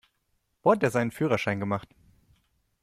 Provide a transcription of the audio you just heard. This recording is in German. Wo hat der seinen Führerschein gemacht?